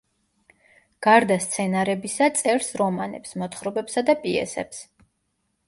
გარდა სცენარებისა წერს რომანებს, მოთხრობებსა და პიესებს.